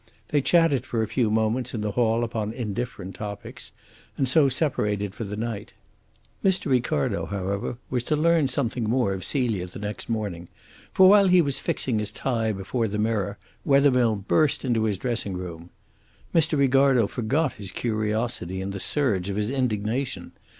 They chatted for a few moments in the hall upon indifferent topics and so separated for the night. Mr. Ricardo, however, was to learn something more of Celia the next morning; for while he was fixing his tie before the mirror Wethermill burst into his dressing room. Mr. Ricardo forgot his curiosity in the surge of his indignation.